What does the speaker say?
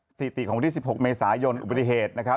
สถิติของวันที่๑๖เมษายนอุบัติเหตุนะครับ